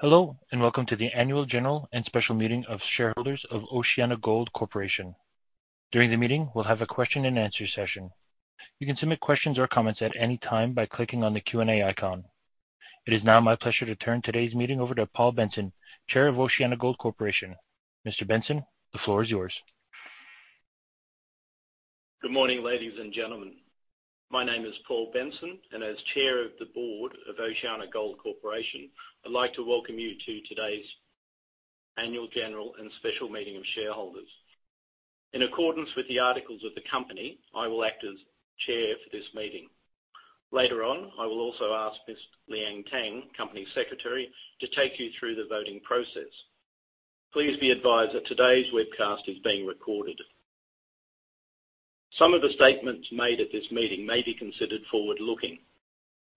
Hello, welcome to the Annual General and Special Meeting of Shareholders of OceanaGold Corporation. During the meeting, we'll have a question and answer session. You can submit questions or comments at any time by clicking on the Q&A icon. It is now my pleasure to turn today's meeting over to Paul Benson, Chair of OceanaGold Corporation. Mr. Benson, the floor is yours. Good morning, ladies and gentlemen. My name is Paul Benson, and as Chair of the Board of OceanaGold Corporation, I'd like to welcome you to today's Annual General and Special Meeting of Shareholders. In accordance with the articles of the company, I will act as chair for this meeting. Later on, I will also ask Ms. Liang Tang, Company Secretary, to take you through the voting process. Please be advised that today's webcast is being recorded. Some of the statements made at this meeting may be considered forward-looking.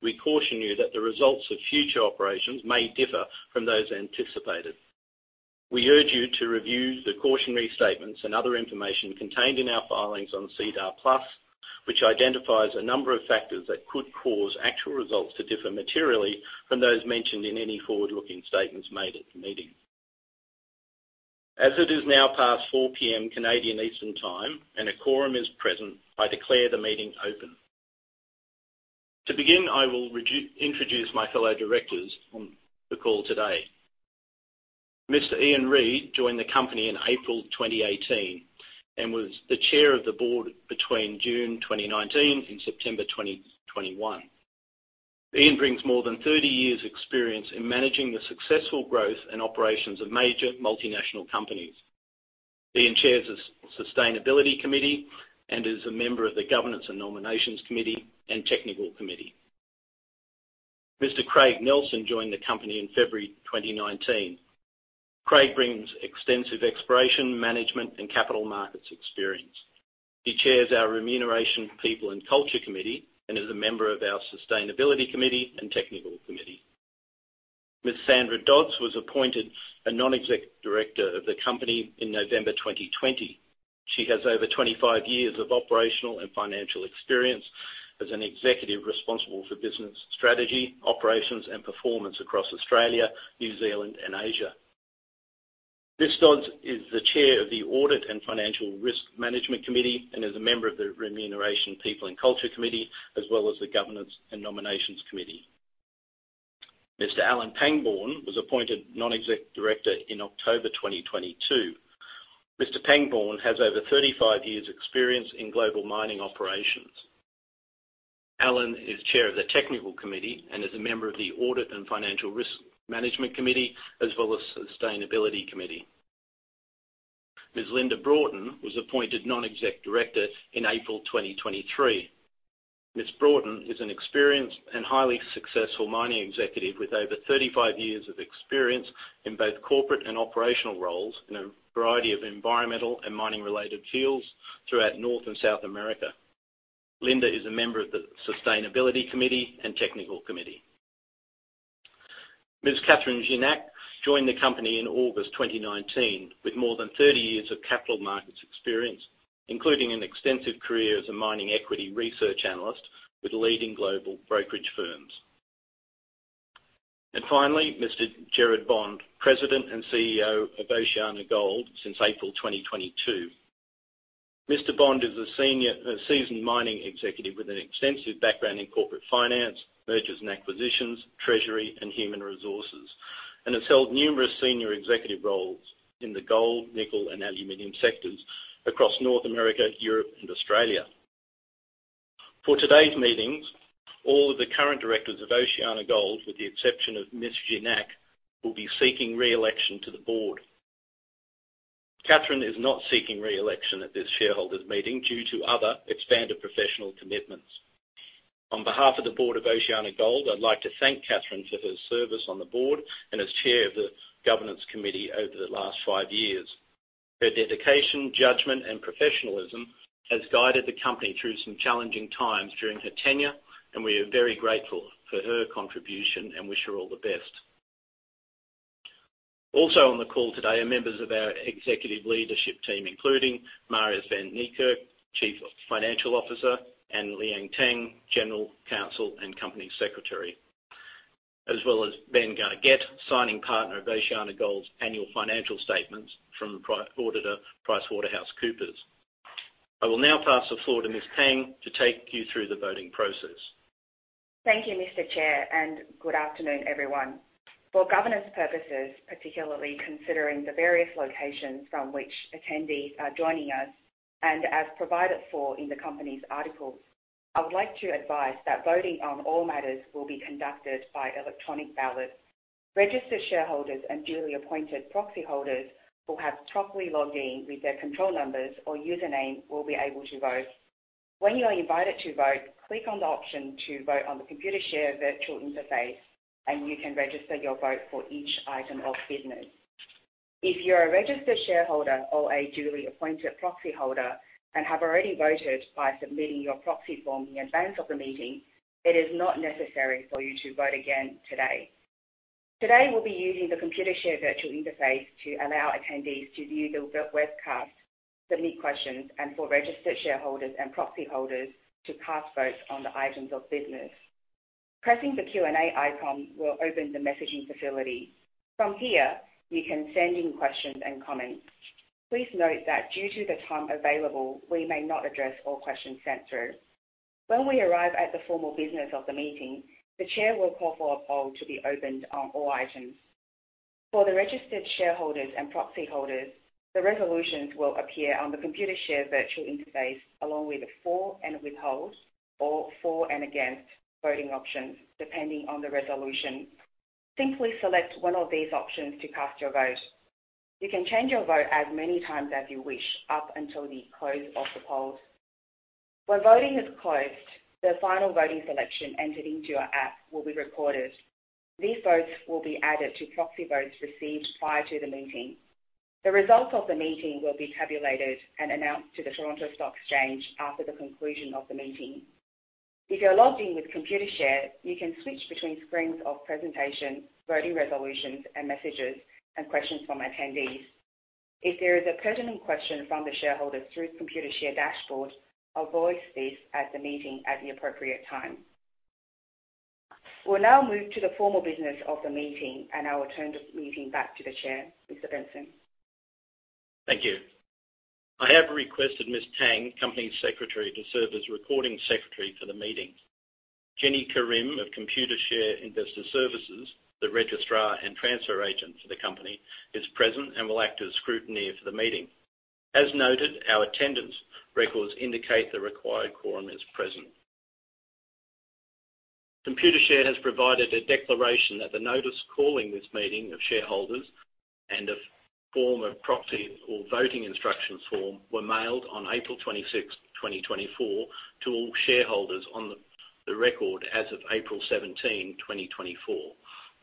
We caution you that the results of future operations may differ from those anticipated. We urge you to review the cautionary statements and other information contained in our filings on SEDAR+, which identifies a number of factors that could cause actual results to differ materially from those mentioned in any forward-looking statements made at the meeting. As it is now past 4:00 P.M. Canadian Eastern Time and a quorum is present, I declare the meeting open. To begin, I will introduce my fellow directors on the call today. Mr. Ian Reid joined the company in April 2018 and was the chair of the board between June 2019 and September 2021. Ian brings more than 30 years experience in managing the successful growth and operations of major multinational companies. Ian chairs the Sustainability Committee and is a member of the Governance and Nomination Committee and Technical Committee. Mr. Craig Nelsen joined the company in February 2019. Craig brings extensive exploration management and capital markets experience. He chairs our Remuneration, People and Culture Committee and is a member of our Sustainability Committee and Technical Committee. Ms. Sandra Dodds was appointed a non-exec director of the company in November 2020. She has over 25 years of operational and financial experience as an executive responsible for business strategy, operations, and performance across Australia, New Zealand, and Asia. Ms. Dodds is the Chair of the Audit & Financial Risk Committee and is a member of the Remuneration, People and Culture Committee, as well as the Governance and Nomination Committee. Mr. Alan Pangbourne was appointed Non-Executive Director in October 2022. Mr. Pangbourne has over 35 years experience in global mining operations. Alan is Chair of the Technical Committee and is a member of the Audit & Financial Risk Committee, as well as Sustainability Committee. Ms. Linda Broughton was appointed Non-Executive Director in April 2023. Ms. Broughton is an experienced and highly successful mining executive with over 35 years of experience in both corporate and operational roles in a variety of environmental and mining-related fields throughout North and South America. Linda is a member of the Sustainability Committee and Technical Committee. Ms. Catherine Gignac joined the company in August 2019 with more than 30 years of capital markets experience, including an extensive career as a mining equity research analyst with leading global brokerage firms. Finally, Mr. Gerard Bond, President and CEO of OceanaGold since April 2022. Mr. Bond is a seasoned mining executive with an extensive background in corporate finance, mergers and acquisitions, treasury, and human resources, and has held numerous senior executive roles in the gold, nickel, and aluminum sectors across North America, Europe, and Australia. For today's meetings, all of the current directors of OceanaGold, with the exception of Ms. Gignac, will be seeking re-election to the board. Catherine is not seeking re-election at this shareholders' meeting due to other expanded professional commitments. On behalf of the Board of OceanaGold, I'd like to thank Catherine for her service on the board and as Chair of the Governance Committee over the last five years. Her dedication, judgment, and professionalism has guided the company through some challenging times during her tenure, and we are very grateful for her contribution and wish her all the best. Also on the call today are members of our executive leadership team, including Marius van Niekerk, Chief Financial Officer, and Liang Tang, General Counsel and Company Secretary, as well as Ben Gargett, signing partner of OceanaGold's annual financial statements from auditor PricewaterhouseCoopers. I will now pass the floor to Ms. Tang to take you through the voting process. Thank you, Mr. Chair. Good afternoon, everyone. For governance purposes, particularly considering the various locations from which attendees are joining us and as provided for in the company's articles, I would like to advise that voting on all matters will be conducted by electronic ballot. Registered shareholders and duly appointed proxyholders who have properly logged in with their control numbers or username will be able to vote. When you are invited to vote, click on the option to vote on the Computershare virtual interface and you can register your vote for each item of business. If you're a registered shareholder or a duly appointed proxyholder and have already voted by submitting your proxy form in advance of the meeting, it is not necessary for you to vote again today. Today, we'll be using the Computershare virtual interface to allow attendees to view the webcast, submit questions and for registered shareholders and proxy holders to cast votes on the items of business. Pressing the Q&A icon will open the messaging facility. From here, you can send in questions and comments. Please note that due to the time available, we may not address all questions sent through. When we arrive at the formal business of the meeting, the Chair will call for a poll to be opened on all items. For the registered shareholders and proxy holders, the resolutions will appear on the Computershare virtual interface, along with the for and withholds, or for and against voting options, depending on the resolution. Simply select one of these options to cast your vote. You can change your vote as many times as you wish up until the close of the polls. When voting is closed, the final voting selection entered into our app will be recorded. These votes will be added to proxy votes received prior to the meeting. The results of the meeting will be tabulated and announced to the Toronto Stock Exchange after the conclusion of the meeting. If you're logged in with Computershare, you can switch between screens of presentation, voting resolutions, and messages and questions from attendees. If there is a pertinent question from the shareholders through the Computershare dashboard, I'll voice this at the meeting at the appropriate time. We'll now move to the formal business of the meeting, and I will turn the meeting back to the Chair, Mr. Benson. Thank you. I have requested Ms Tang, Company Secretary, to serve as Recording Secretary for the meeting. Jenny Karim of Computershare Investor Services, the registrar and transfer agent for the company, is present and will act as scrutineer for the meeting. As noted, our attendance records indicate the required quorum is present. Computershare has provided a declaration that the notice calling this meeting of shareholders and a form of proxy or voting instructions form were mailed on April 26th, 2024, to all shareholders on the record as of April 17th, 2024.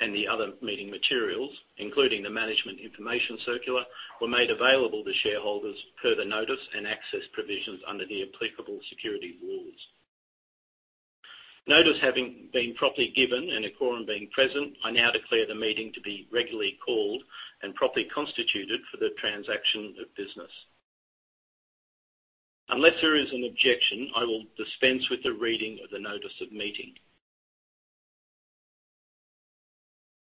The other meeting materials, including the management information circular, were made available to shareholders per the notice and access provisions under the applicable security rules. Notice having been properly given and a quorum being present, I now declare the meeting to be regularly called and properly constituted for the transaction of business. Unless there is an objection, I will dispense with the reading of the notice of meeting.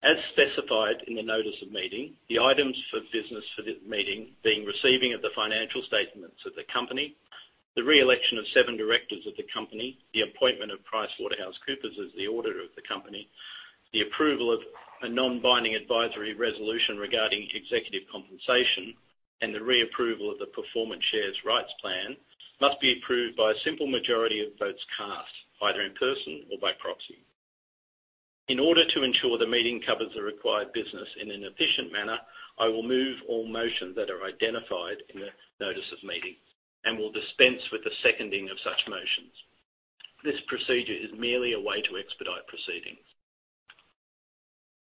As specified in the notice of meeting, the items for business for this meeting being receiving of the financial statements of the company, the re-election of seven directors of the company, the appointment of PricewaterhouseCoopers as the auditor of the company, the approval of a non-binding advisory resolution regarding executive compensation, and the re-approval of the Performance Share Rights Plan must be approved by a simple majority of votes cast, either in person or by proxy. In order to ensure the meeting covers the required business in an efficient manner, I will move all motions that are identified in the notice of meeting and will dispense with the seconding of such motions. This procedure is merely a way to expedite proceedings.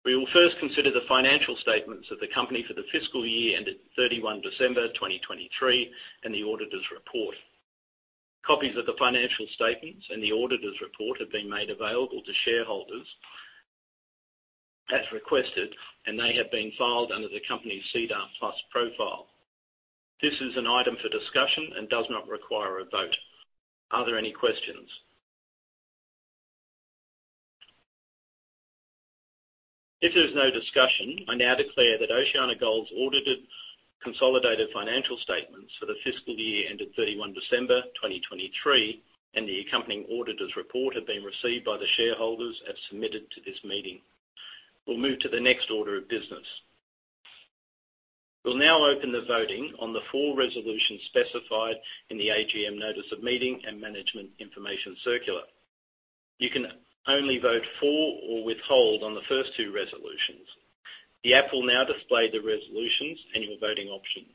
We will first consider the financial statements of the company for the fiscal year ended 31 December 2023 and the auditor's report. Copies of the financial statements and the auditor's report have been made available to shareholders as requested, and they have been filed under the company's SEDAR+ profile. This is an item for discussion and does not require a vote. Are there any questions? If there's no discussion, I now declare that OceanaGold's audited consolidated financial statements for the fiscal year ended 31 December 2023, and the accompanying auditor's report have been received by the shareholders as submitted to this meeting. We'll move to the next order of business. We'll now open the voting on the four resolutions specified in the AGM notice of meeting and management information circular. You can only vote for or withhold on the first two resolutions. The app will now display the resolutions and your voting options.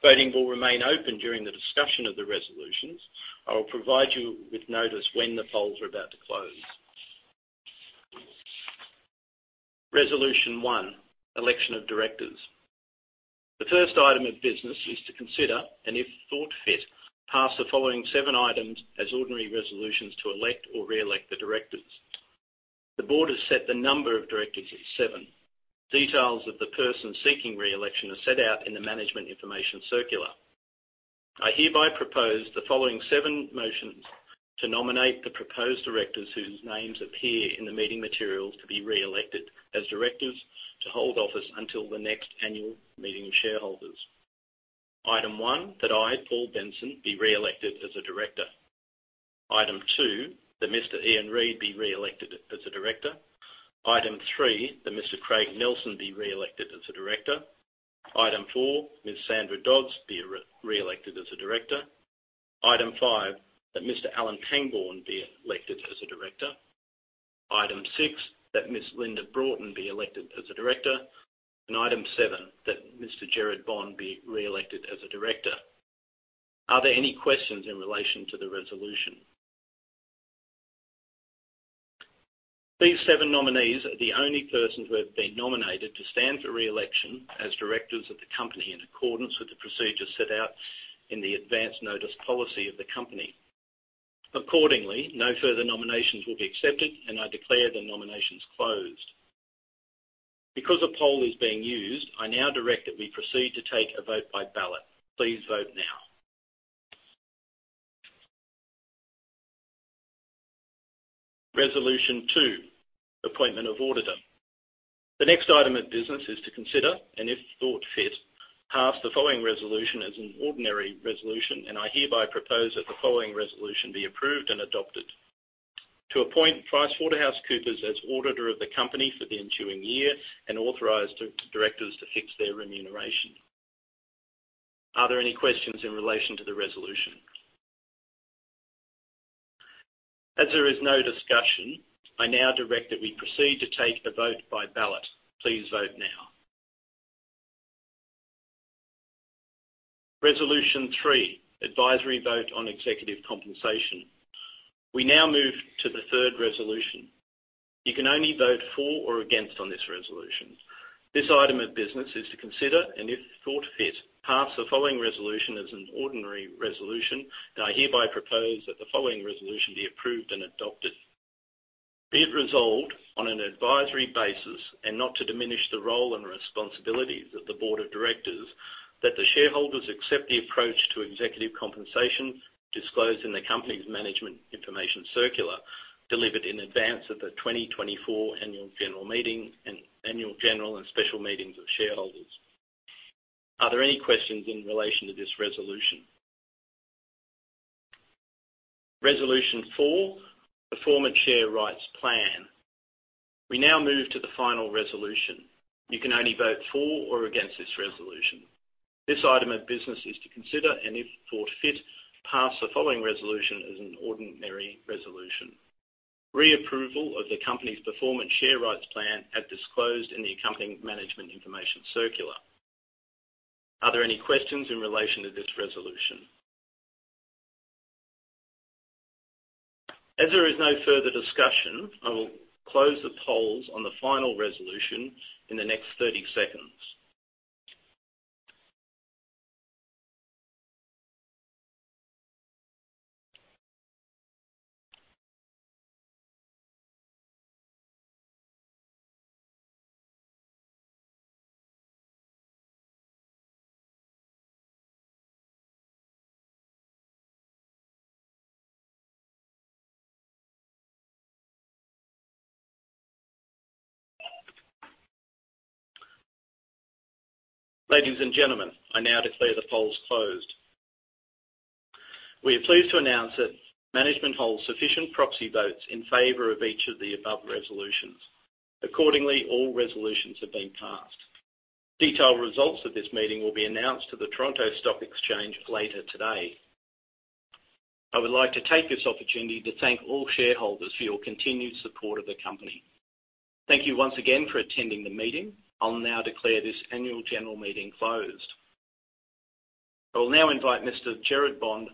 Voting will remain open during the discussion of the resolutions. I will provide you with notice when the polls are about to close. Resolution one, election of directors. The first item of business is to consider, and if thought fit, pass the following seven items as ordinary resolutions to elect or re-elect the directors. The board has set the number of directors at seven. Details of the persons seeking re-election are set out in the management information circular. I hereby propose the following seven motions to nominate the proposed directors whose names appear in the meeting materials to be re-elected as directors to hold office until the next annual meeting of shareholders. Item one, that I, Paul Benson, be re-elected as a director. Item two, that Mr. Ian Reid be re-elected as a director. Item three, that Mr. Craig Nelsen be re-elected as a director. Item four, Ms. Sandra Dodds be re-elected as a director. Item five, that Mr. Alan Pangbourne be elected as a director. Item six, that Ms. Linda Broughton be elected as a director. Item seven, that Mr. Gerard Bond be re-elected as a director. Are there any questions in relation to the resolution? These seven nominees are the only persons who have been nominated to stand for re-election as directors of the company in accordance with the procedure set out in the advance notice policy of the company. Accordingly, no further nominations will be accepted, and I declare the nominations closed. Because a poll is being used, I now direct that we proceed to take a vote by ballot. Please vote now. Resolution 2, appointment of auditor. The next item of business is to consider, and if thought fit, pass the following resolution as an ordinary resolution, and I hereby propose that the following resolution be approved and adopted. To appoint PricewaterhouseCoopers as auditor of the company for the ensuing year and authorize the directors to fix their remuneration. Are there any questions in relation to the resolution? As there is no discussion, I now direct that we proceed to take the vote by ballot. Please vote now. Resolution three, advisory vote on executive compensation. We now move to the third resolution. You can only vote for or against on this resolution. This item of business is to consider, and if thought fit, pass the following resolution as an ordinary resolution, and I hereby propose that the following resolution be approved and adopted. Be it resolved on an advisory basis and not to diminish the role and responsibilities of the board of directors, that the shareholders accept the approach to executive compensation disclosed in the company's management information circular delivered in advance of the 2024 annual general meeting and annual general and special meetings of shareholders. Are there any questions in relation to this resolution? Resolution four, the Performance Share Rights Plan. We now move to the final resolution. You can only vote for or against this resolution. This item of business is to consider, and if thought fit, pass the following resolution as an ordinary resolution. Reapproval of the company's Performance Share Rights Plan as disclosed in the accompanying management information circular. Are there any questions in relation to this resolution? As there is no further discussion, I will close the polls on the final resolution in the next 30 seconds. Ladies and gentlemen, I now declare the polls closed. We are pleased to announce that management holds sufficient proxy votes in favor of each of the above resolutions. Accordingly, all resolutions have been passed. Detailed results of this meeting will be announced to the Toronto Stock Exchange later today. I would like to take this opportunity to thank all shareholders for your continued support of the company. Thank you once again for attending the meeting. I'll now declare this annual general meeting closed. I'll now invite Mr. Gerard Bond,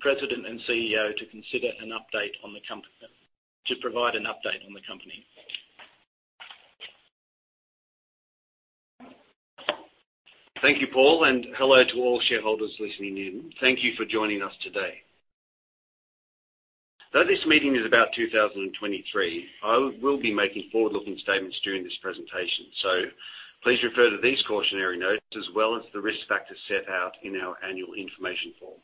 President and CEO, to provide an update on the company. Thank you, Paul, and hello to all shareholders listening in. Thank you for joining us today. Though this meeting is about 2023, I will be making forward-looking statements during this presentation. Please refer to these cautionary notes as well as the risk factors set out in our annual information form.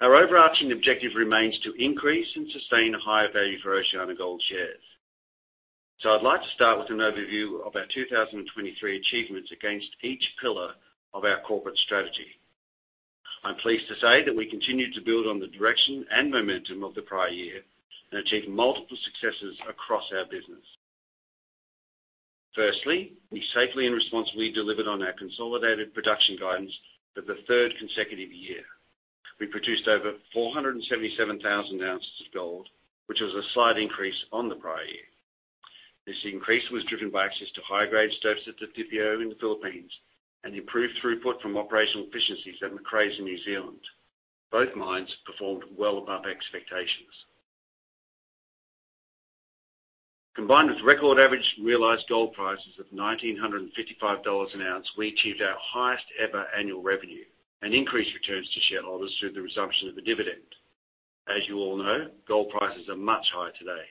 Our overarching objective remains to increase and sustain a higher value for OceanaGold shares. I'd like to start with an overview of our 2023 achievements against each pillar of our corporate strategy. I'm pleased to say that we continue to build on the direction and momentum of the prior year and achieve multiple successes across our business. Firstly, we safely and responsibly delivered on our consolidated production guidance for the third consecutive year. We produced over 477,000 ounces of gold, which was a slight increase on the prior year. This increase was driven by access to high-grade strips at Didipio in the Philippines, and improved throughput from operational efficiencies at Macraes in New Zealand. Both mines performed well above expectations. Combined with record average realized gold prices of $1,955 an ounce, we achieved our highest ever annual revenue and increased returns to shareholders through the resumption of the dividend. As you all know, gold prices are much higher today.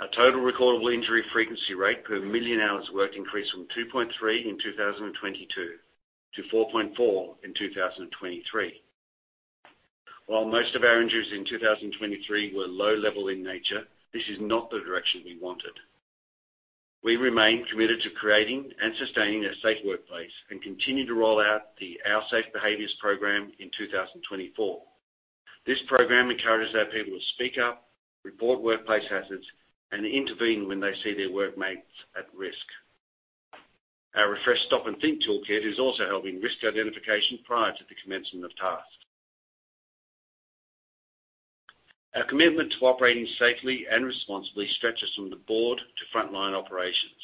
Our Total Recordable Injury Frequency Rate per million hours worked increased from 2.3 in 2022 to 4.4 in 2023. While most of our injuries in 2023 were low level in nature, this is not the direction we wanted. We remain committed to creating and sustaining a safe workplace and continue to roll out the OurSafe Behaviours program in 2024. This program encourages our people to speak up, report workplace hazards, and intervene when they see their workmates at risk. Our refreshed Stop and Think toolkit is also helping risk identification prior to the commencement of tasks. Our commitment to operating safely and responsibly stretches from the board to frontline operations.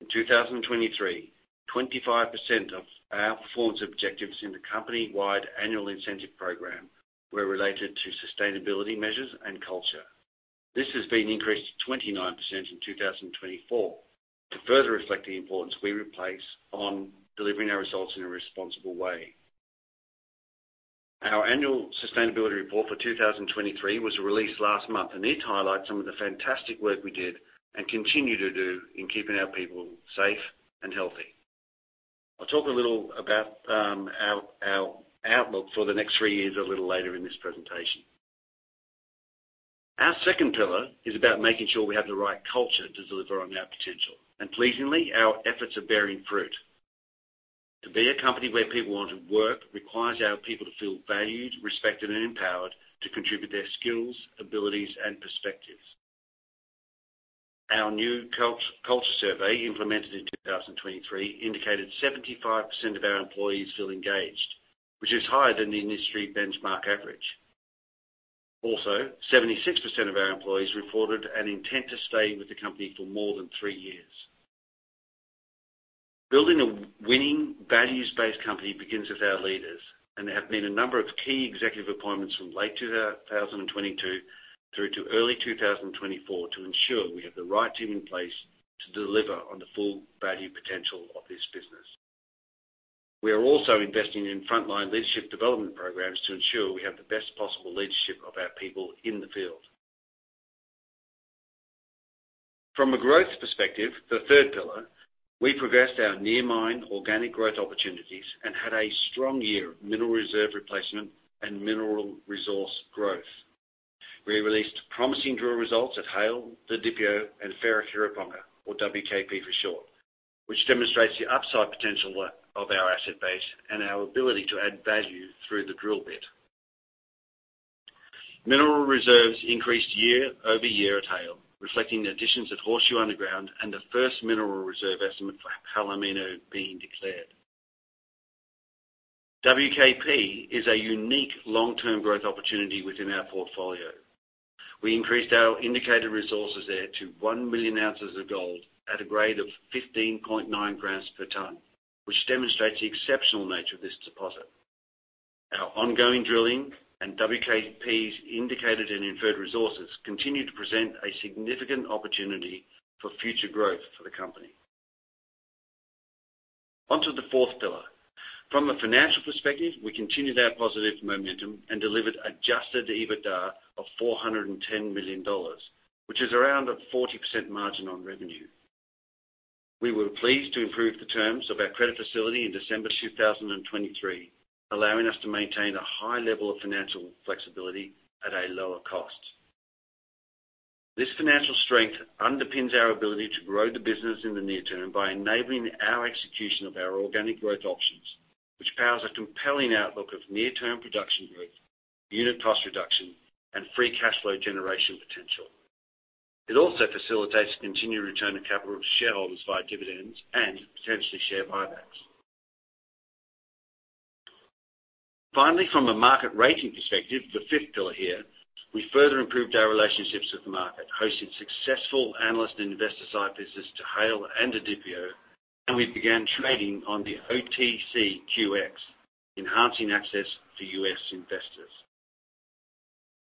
In 2023, 25% of our performance objectives in the company-wide annual incentive program were related to sustainability measures and culture. This has been increased to 29% in 2024 to further reflect the importance we place on delivering our results in a responsible way. Our annual sustainability report for 2023 was released last month, and it highlights some of the fantastic work we did and continue to do in keeping our people safe and healthy. I'll talk a little about our outlook for the next three years a little later in this presentation. Our second pillar is about making sure we have the right culture to deliver on our potential. Pleasingly, our efforts are bearing fruit. To be a company where people want to work requires our people to feel valued, respected, and empowered to contribute their skills, abilities, and perspectives. Our new culture survey, implemented in 2023, indicated 75% of our employees feel engaged, which is higher than the industry benchmark average. 76% of our employees reported an intent to stay with the company for more than three years. Building a winning, values-based company begins with our leaders, and there have been a number of key executive appointments from late 2022 through to early 2024 to ensure we have the right team in place to deliver on the full value potential of this business. We are also investing in frontline leadership development programs to ensure we have the best possible leadership of our people in the field. From a growth perspective, the third pillar, we progressed our near-mine organic growth opportunities and had a strong year of mineral reserve replacement and mineral resource growth. We released promising drill results at Haile, Didipio, and Wharekirauponga, or WKP for short, which demonstrates the upside potential of our asset base and our ability to add value through the drill bit. Mineral reserves increased year-over-year at Haile, reflecting the additions at Haile Underground and the first mineral reserve estimate for Palomino being declared. WKP is a unique long-term growth opportunity within our portfolio. We increased our indicated resources there to 1 million ounces of gold at a grade of 15.9 grams per ton, which demonstrates the exceptional nature of this deposit. Our ongoing drilling and WKP's indicated and inferred resources continue to present a significant opportunity for future growth for the company. On to the fourth pillar. From a financial perspective, we continued our positive momentum and delivered adjusted EBITDA of $410 million, which is around a 40% margin on revenue. We were pleased to improve the terms of our credit facility in December 2023, allowing us to maintain a high level of financial flexibility at a lower cost. This financial strength underpins our ability to grow the business in the near term by enabling our execution of our organic growth options, which powers a compelling outlook of near-term production growth, unit cost reduction, and free cash flow generation potential. It also facilitates continued return of capital to shareholders via dividends and potentially share buybacks. Finally, from a market rating perspective, the fifth pillar here, we further improved our relationships with the market, hosted successful analyst and investor site visits to Haile and Didipio, and we began trading on the OTCQX, enhancing access to U.S. investors.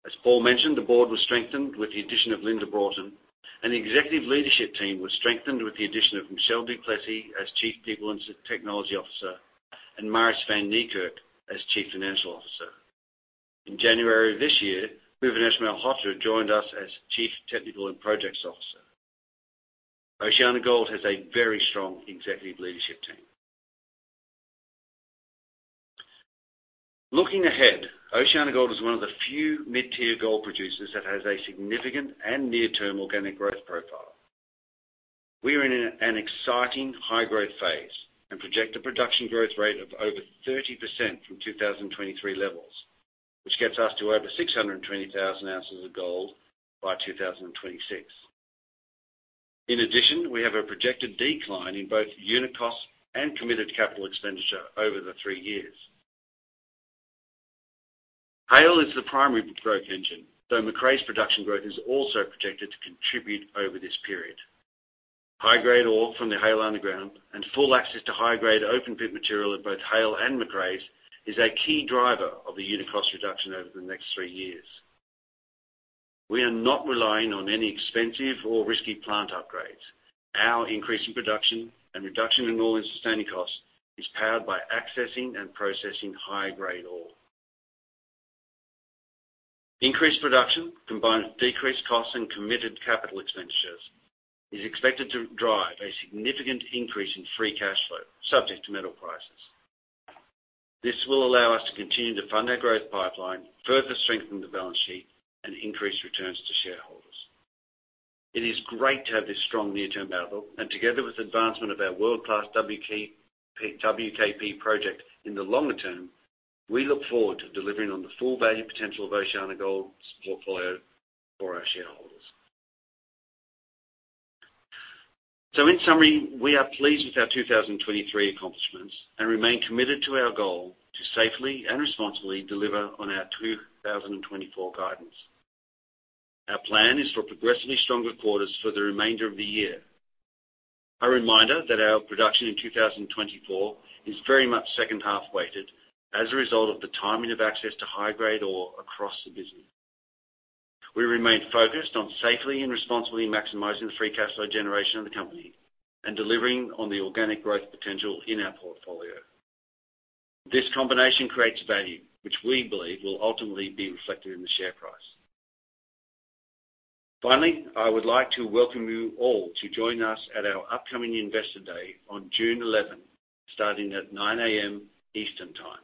As Paul mentioned, the board was strengthened with the addition of Linda Broughton, and the executive leadership team was strengthened with the addition of Michelle du Plessis as Chief People and Technology Officer, and Marius van Niekerk as Chief Financial Officer. In January of this year, Bhuvanesh Malhotra joined us as Chief Technical and Projects Officer. OceanaGold has a very strong executive leadership team. Looking ahead, OceanaGold is one of the few mid-tier gold producers that has a significant and near-term organic growth profile. We are in an exciting high-growth phase and project a production growth rate of over 30% from 2023 levels, which gets us to over 620,000 ounces of gold by 2026. In addition, we have a projected decline in both unit cost and committed capital expenditure over the three years. Haile is the primary growth engine, though Macraes production growth is also projected to contribute over this period. High-grade ore from the Haile Underground and full access to high-grade open pit material at both Haile and Macraes is a key driver of the unit cost reduction over the next three years. We are not relying on any expensive or risky plant upgrades. Our increase in production and reduction in All-In Sustaining Costs is powered by accessing and processing high-grade ore. Increased production combined with decreased costs and committed capital expenditures is expected to drive a significant increase in free cash flow, subject to metal prices. This will allow us to continue to fund our growth pipeline, further strengthen the balance sheet, and increase returns to shareholders. It is great to have this strong near-term outlook, and together with advancement of our world-class WKP project in the longer term, we look forward to delivering on the full value potential of OceanaGold's portfolio for our shareholders. In summary, we are pleased with our 2023 accomplishments and remain committed to our goal to safely and responsibly deliver on our 2024 guidance. Our plan is for progressively stronger quarters for the remainder of the year. A reminder that our production in 2024 is very much second half-weighted as a result of the timing of access to high-grade ore across the business. We remain focused on safely and responsibly maximizing the free cash flow generation of the company and delivering on the organic growth potential in our portfolio. This combination creates value, which we believe will ultimately be reflected in the share price. Finally, I would like to welcome you all to join us at our upcoming Investor Day on June 11, starting at 9:00 A.M. Eastern Time.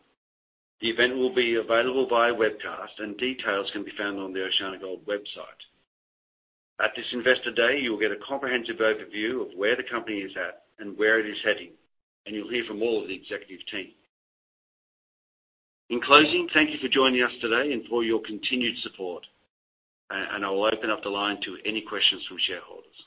The event will be available via webcast, and details can be found on the OceanaGold website. At this Investor Day, you will get a comprehensive overview of where the company is at and where it is heading. You'll hear from all of the executive team. In closing, thank you for joining us today and for your continued support. I will open up the line to any questions from shareholders.